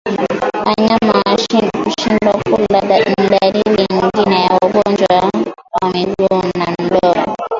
Wanyama kushindwa kula ni dalili nyingine ya ugonjwa wa miguu na midomo